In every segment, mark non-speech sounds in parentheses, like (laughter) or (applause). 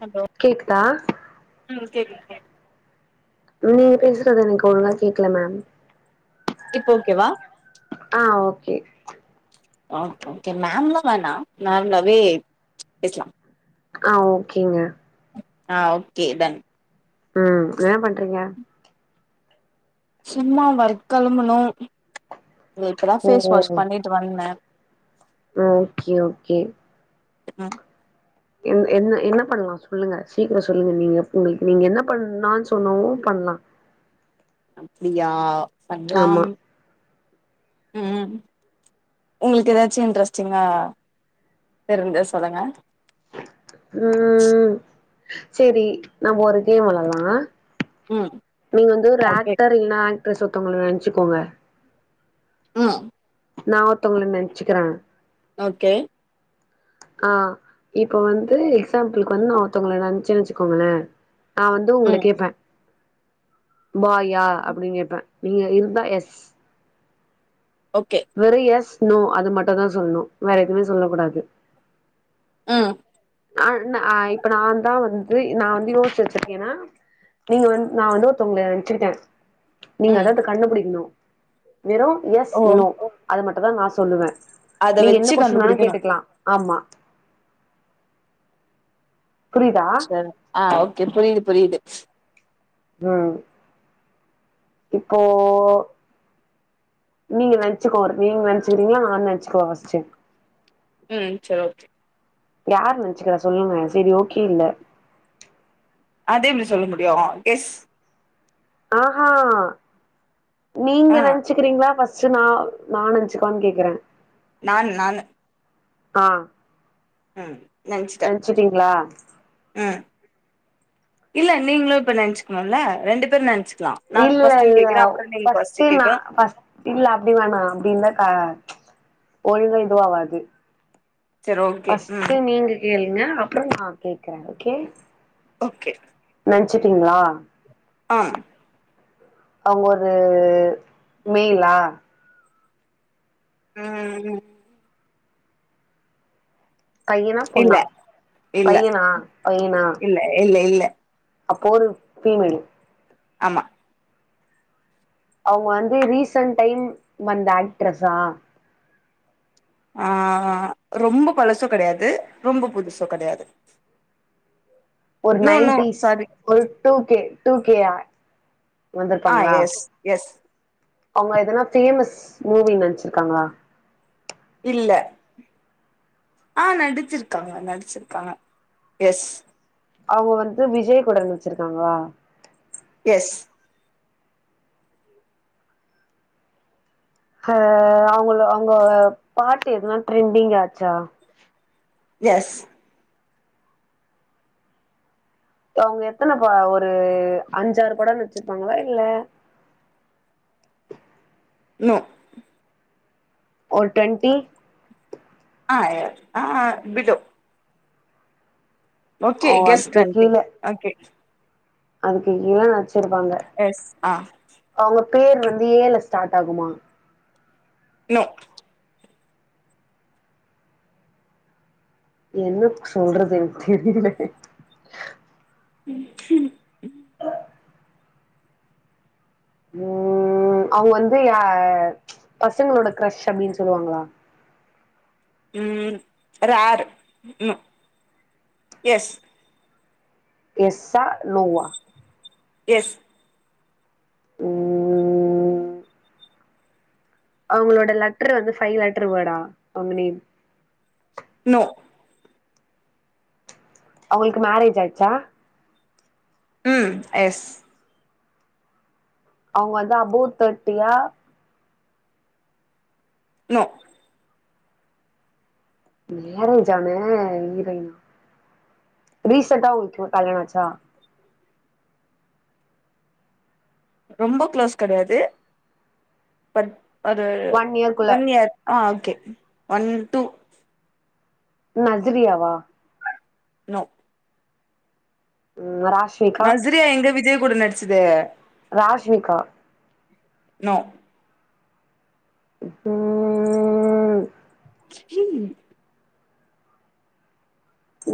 Hello கேக்குதா ம் கேக்குதுப்பா நீங்க பேசறது எனக்கு ஒழுங்கா கேக்கல மேம் இப்போ ஓகேவா ஆ ஓகே ஆ ஓகே மேம்ல்லா வேணா நார்மலாவே பேசலா ஆ ஓகேங்க ஆ ஓகே டன் ம் என்ன பண்றீங்க சும்மா ஒர்க் கெழம்பணு இப்தா ஓ ஃபேஸ் வாஷ் ஓ பண்ணிட்டு வந்த ஓகே ஓகே மேம் என்ன என்ன பண்ணலா சொல்லுங்க சீக்கிரோ சொல்லுங்க நீங்க உங்களுக்கு நீங்க என்ன பண்ணானு சொன்னவு பண்லா அப்டியா பண்லாம் ஆமா ம் உங்களுக்கு எதாச்சு இன்ட்ரெஸ்ட்டிங்கா தெரிஞ்சா சொல்லுங்க ம் செரி நாம ஒரு கேம் வெளாலா ம் நீங்க வந்து ஒரு ஓகே ஆக்டர் இல்னா ஆக்ட்ரஸ் ஒருத்தவங்கள நெனச்சுக்கோங்க ம் நா ஒருத்தவுங்கள நெனச்சுக்கிற ஓகே அ இப்ப வந்து எக்ஸாம்பிளுக்கு வந்து நா ஒருத்தவுங்கள நென்ச்சே வெச்சிக்கோங்களே நா வந்து உங்கள ம் கேப்பே பாயா அப்டீனு கேப்பே நீங்க இருந்தா எஸ் ஓகே வெறும் எஸ் நோ அது மட்டும் தா சொல்ணோ வேற எதுவுமே சொல்லக் கூடாது ம் அ இன்ன அ இப்ப நா தா வந் இது நா வந்து யோசிச்சு வெச்சிருக்கேன்னா நீங்க வந் நா வந்து ஒருத்தவுங்கள நென்ச்சிருக்கே நீங்க ம் அதாவது கண்டுபிடிக்கணோ வெறோ எஸ் ஓ நோ அது மட்டு தா நா சொல்லுவ அத நீங்க வச்சு என்ன கொஸ்டின்னாலு கண்டுபிடிக்கணு கேட்டுக்கலா ஆம்மா சரி அ ஓகே புரியுது புரியுது உம் இப்போ நீங்க நென்ச்சுக்கோங்க நீங்க நென்ச்சுக்கிறீங்களா நானு நென்ச்சுக்குவா ஃபஸ்ட்டு ம் சரி ஓகே யாரு நென்ச்சுக்கிறா சொல்லுங்க செரி ஓகே இல்ல அது எப்டி சொல்ல முடியோ கெஸ் ஆஹா நீங்க ஆ நென்ச்சுக்கிறீங்களா ஃபஸ்ட் சேரி நா நா நென்ச்சுக்கவானு கேக்குறே நானு நானு அ உம் நென்ச்சீட்டீங்களா ம் இல்ல நீங்களு இப்ப நென்ச்சுக்ணோல்ல ரெண்டு பேரு நென்ச்சு இல்ல இல்ல ஃபஸ்ட்டு நா கேக்கணு ஃபஸ் இல்ல அப்டி வேணா அப்டி இர்ந்தாக்கா ஒழுங்கா இதுவா வாசி செரி ஓகே ம் ஃபஸ்ட்டு நீங்க கேளுங் ன்னா அப்புறோ நா கேக்குறே ஓகே ஓகே நென்ச்சிட்டீங்களா ஆம் அவுங்க ஒரு மேல்லா ம் பையனா இல்ல பொண்ணா இல்ல பையனா பையனா இல்ல இல்ல இல்ல அப்போ ஒரு ஃபீமேல் ஆமா அவுங்க வந்து ரீசன்ட் டைம் வந்த ஆக்ட்ரஸா ஆ ரொம்ப பழசு கெடையாது ரொம்ப புதுசோ கெடையாது ஒரு no no nineties sorry full two K டூகேயா அ எஸ் எஸ் அவுங்க எதனா ஃபேமஸ் மூவி நடிச்சிருக்காங்களா இல்ல அ நடிச்சிருக்காங்க நடிச்சிருக்காங்க எஸ் அவுங்க வந்து விஜய் கூட நடிச்சிருக்காங்களா எஸ் ஹ அவுங்க அவுங்க பாட்டு எதுனா ட்ரெண்டிங் ஆச்சா எஸ் அவுங்க எத்தன ஒரு அஞ்சாறு படோ நடிச்சிருப்பாங்களா இல்ல (inaudible) நோ ஓர் ட்வன்ட்டி ஆ யா ஆ ஆ பிட்டோ ஓகே ஓ கெஸ்ட் அதுக்கு (unintelligible) கீழ ஓகே அதுக்கு கீழ நச்சரிப்பாங்க எஸ் ஆ அவங்க பேர் வந்து ஏல ஸ்டார்ட் ஆகுமா நோ என்ன சொல்றது எனக் தெரில உம்ம் ம் ம் அவங்க வந்து ய பசங்ளோட கிரஷ் அப்டின் சொல்வாங்ளா ம் ரேர் நோ எஸ் எஸ்ஸா நோவா எஸ் ம் அவங்ளோட லெட்ரு வந்து ஃபைவ் லெட்ரு வேடா அவங்க நேம் நோ அவங்களுக்கு மேரேஜ் ஆய்ச்சா ம் எஸ் அவங்க வந்து அபோ தேட்டியா நோ மேரேஜான இரோயினா ரீசன்ட்டா அவுங்ளுக் கல்யாண ஆச்சா ரொம்ப க்ளோஸ் கடையாது பட் அது ஒன் இயர்க்குள்ள ஒன் இயர் ஆ ஓகே ஒன் டூ நசுரியாவா நோ ம் (unintelligible) நஸ்ரியா எங்க விஜய் கூட நடிச்சிது ராஷ்மிகா நோ ம் ம்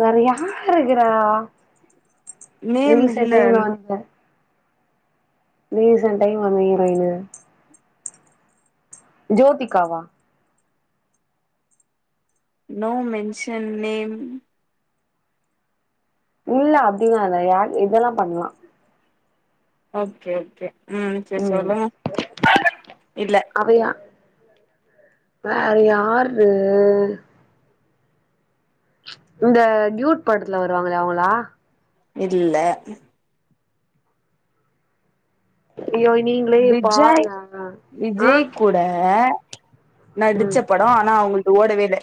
வேற யாருக்குறா நேம் ரீசன் இல்ல. டைம்ல வந்த ரீசன் டைம் வந்த இரோயினு ஜோதிகாவா நோ மென்ஷன் நேம் இல்ல அப்டிலா இல்ல யார் இதெல்லா பண்லா ஓகே ஓகே ம் சரி ம் சொல்லுங்க இல்ல அவ யா வேற யாரு இந்த டியூட் படத்துல வருவாங்ளே அவங்களா இல்ல ஐயோ நீங்களே விஜய் பாருங்க ஆ விஜய் கூட நடிச்ச ம் படொ ஆனா அவங்குல்து ஓடவே இல்ல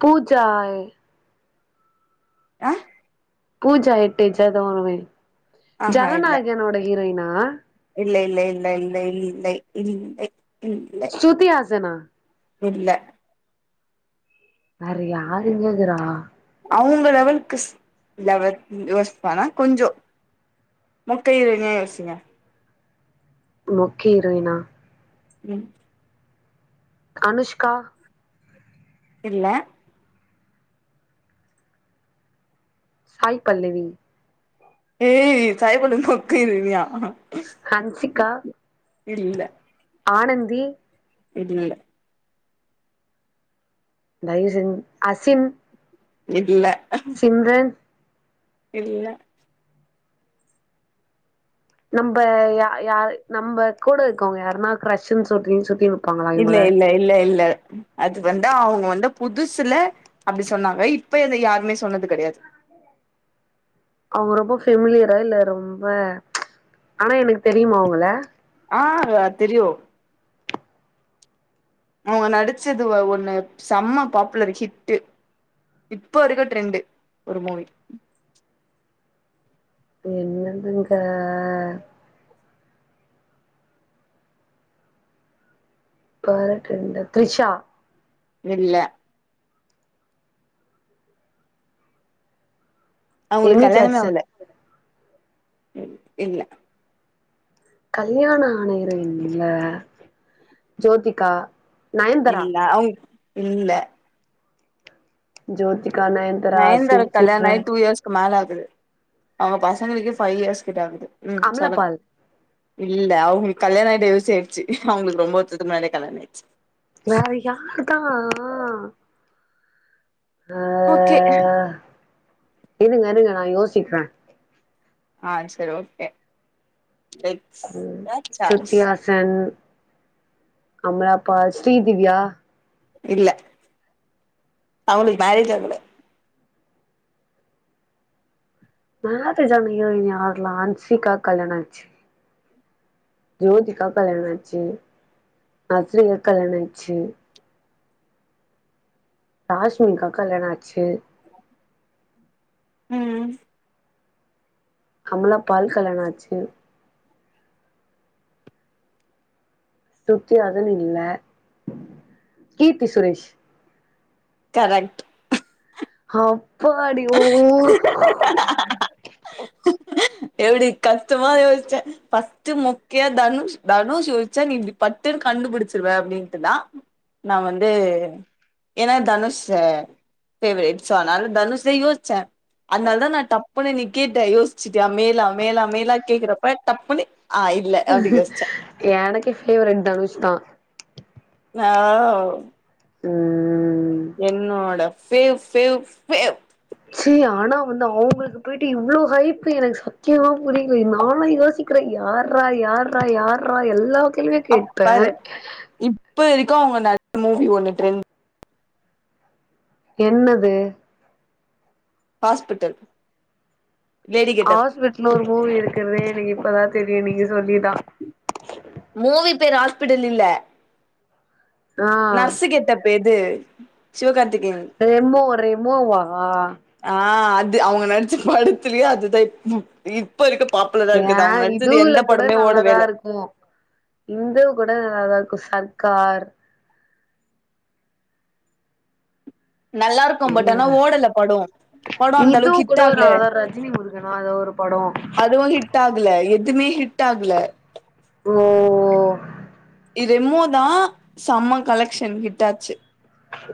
பூஜாய் ஆ பூஜா எட்டேஜ்ஜா எதோ ஒரு (unintelligible) ஆஹா இல்ல ஜனநாயகனோட ஹீரோயினா இல்ல இல்ல இல்ல இல்லை இல்லை இல்லை ஸ்ருதி ஆசனா இல்ல வேற யாருங்க இக்குறா அவுங்க லெவல்க்கு ஸ் லெவல் (unintelligible) ஆனா கொஞ்சோ (unintelligible) மொக்க ஹீரோயினா ம் அனுஷ்கா இல்ல சாய் பல்லவி ஏய் சாய்பல்லவி மொக்க ஹீரோயினியா ஹன்சிகா இல்ல ஆனந்தி இல்ல டைசன் அசின் இல்ல சிந்தன் இல்ல நம்ப யா யா நம்ப கூட இருக்கவ்ங்க யாருனா க்ரஷ்ன் சொல்லி சுத்தி இருப்பாங்களா இல்ல இவங்கள இல்ல இல்ல இல்ல அது வந்து அவுங்க வந்து புதுசுல அப்டி சொன்னாங்க இப்ப அத யாருமே சொன்னது கெடையாது அவங்க ரொம்ப ஃபெமிலியரா இல்ல ரொம்ப ஆனா எனக்கு தெரியுமா அவுங்கள ஆ தெரியு அவுங்க நடிச்சது ஒ ஒண்ணு செம பாப்புலர் ஹிட்டு இப்ப இருக்க ட்ரெண்டு ஒரு மூவி என்னதுங்க இப்ப வேற ட்ரண்டா த்ரிஷா இல்ல அவங்களுக்கு எமி கல்யாணமே ஜாக்சன் ஆவுல த் இல்ல கல்யாண ஆன ஹீரோயின் இல்ல ஜோதிகா நயன்தாரா இல்ல அவுங் இல்ல ஜோதி நயன்தாரா க்கு கல்யாண ஆயி டூ இயர்ஸ்க்கு மேல ஆ குது அவங்க பசங்களுளுக்கே ஃபைவ் இயர்ஸ் கிட்டாகுது ம் சொல்லுங் அமலாபால் இல்ல அவங்களுக் கல்யாண ஆயி டைவர்சே ஆயிருச்சு அவங்களுக்கு ரொம்ப வருஷத்துக்கு முன்னாடியே கல்யாண ஆயிடுச்சு வேற யாருதா ஆ ஓகே இருங்க இருங்க நா யோசிக்ற ஆ சரி ஓகே லெட்ஸ் ம் சாய்ஸ் ஸ்ருதிஹாசன் அமலாபால் ஸ்ரீ திவ்யா இல்ல அவுளுக் மேரேஜ் ஆகுல மேரேஜ் ஆகாத ஹீரோயின் யார்லா ஹன்சிகாக் கல்யாண ஆச்சு ஜோதிகா கல்யாணாச்சு நஸ்ரியாக் கல்யாணாயிடுச்சு ராஷ்மிகாக் கல்யாண ஆச்சு ம் அமலா பால் கல்யாணாச்சு ஸ்ருதிஹாசன் இல்ல கீர்த்தி சுரேஷ் கரெக்ட் அப்பாடி ஓ எப்டி கஷ்டமா யோசிச்ச ஃபஸ்டு மொக்கையா தனுஸ் தனுஸ் யோசிச்சா நீ இப்டி பட்டுன் கண்டுபிடிச்சிருவ அப்டின்ட்டுதா நா வந்து ஏன்னா தனுஷ் ஆ ஃபேவரேட் சோ ஆனாலு தனுஷே யோஸ்ச்ச அத்னால தா நா டப்புன்னு நீ கேட்ட யோஸ்ச்ச த்யா மேலா மேலா மேலா கேக்குறப்ப டப்புண்ணி எனக்கு ஃபேவரட் தனுஷ்தா வாவ் ம் என்னோட ஃபேவ் ஃபேவ் ஃபேவ் செரி ஆனா வந்து அவுங்களுக்கு பேய்ட்டு இவ்ளோ ஹைப்பு எனக்கு சத்தியமா புரியில நானே யோசிக்கிறே யார்ரா யார்ரா யார்ரா எல்லாத்திலியுமே கேட்ப இப்போ இருக்கவுங்க நறைய மூவி ஒண்ணு ட்ரெண்ட் என்னது ஹாஸ்பிட்டல் லேடி கெட்டப் ஹாஸ்பிடல் னு ஒரு மூவி இருக்கறதே எனக்கு இப்பதா தெரியு நீங்க சொல்லிதா மூவி பேர் ஹாஸ்பிட்டல் இல்ல ஆ நர்ஸுக்கேத்த பேர் அது சிவகார் ரெம்மோ ரெமோ வா ஆ அது அவுங்க நடிச்ச படத்துலயே அதுதா இத் இப்ப இருக்கு பாப்புலரா ஏ இருக்குது அவுங்க நடிச்சது இதுல எந்த கூட படமே நல்லாதா ஓடவேல இருக்கு இந்த கூட நல்லாதா இருக்கு சர்க்கார் நல்லா இருக்கூ பட் எங்க ஆனா ஓடல படோ படோ இது அந்தளவுக்கு கூட ஹிட்டாகல நல்லாதா ரஜினி முருகனா அது ஒரு படோ அதுவு ஹிட்டாகல எத் எதுமே ஹிட் ஆக்ல ஓ ரெமோதா செம கலெக்ஷன் ஹிட்டாச்சு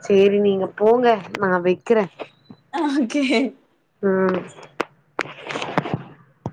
சேரி நீங்க போங்க நா வெக்கிற ஆஹ் ஓகே ம்